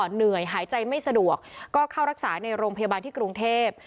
เหนื่อยหายใจไม่สะดวกก็เข้ารักษาในโรงพยาบาลที่กรุงเทพ